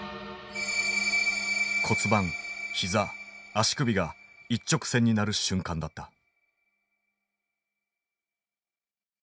骨盤ひざ足首が一直線になる瞬間だった。